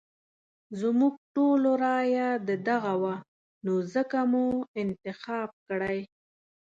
زموږ ټولو رايه ددغه وه نو ځکه مو انتخاب کړی.